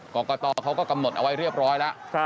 กรกตเขาก็กำหนดเอาไว้เรียบร้อยแล้ว